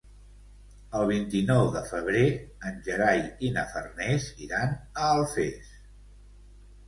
El vint-i-nou de febrer en Gerai i na Farners iran a Alfés.